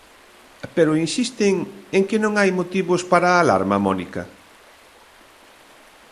Pero insisten en que non hai motivos para a alarma, Mónica?